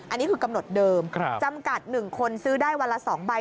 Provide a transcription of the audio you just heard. อันนี้คือกำหนดเดิมจำกัด๑คนซื้อได้วันละ๒ใบ